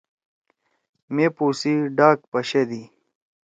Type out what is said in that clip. مے پو سی ڈاک پشَدی۔